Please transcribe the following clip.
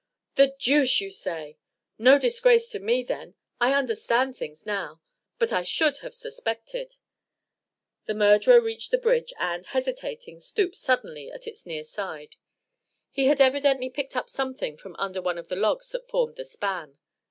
"The deuce you say! No disgrace to me then. I understand things now. But I should have suspected." The murderer reached the bridge and, hesitating, stooped suddenly at its near side. He had evidently picked up something from under one of the logs that formed the span.